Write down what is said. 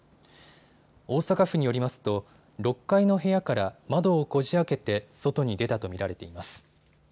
大阪府によりますと６階の部屋から窓をこじあけて外に出たと見られています。